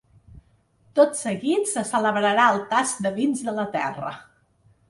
Tot seguit, se celebrarà el tast de vins de la terra.